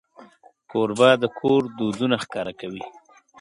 کوربه د کور دودونه ښکاروي.